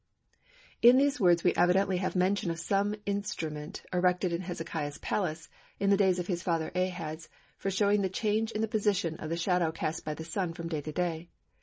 In these words we evidently have mention of some instrument erected in Hezekiah's palace, in the days of his father Ahaz, for showing the change in the position of the shadow cast by the Sun from day to day.